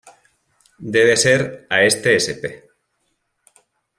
Debe ser a este Sp.